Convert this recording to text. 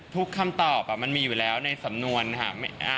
คำตอบมันมีอยู่แล้วในสำนวนค่ะ